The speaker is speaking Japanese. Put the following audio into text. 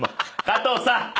加藤さん。